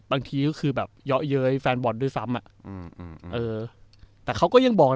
บางทีก็คือแบบเยาะเย้ยแฟนบอลด้วยซ้ำอ่ะอืมเออแต่เขาก็ยังบอก